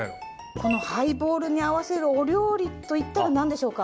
このハイボールに合わせるお料理といったら何でしょうか？